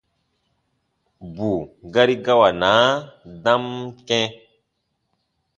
Bù gari gawanaa dam kɛ̃.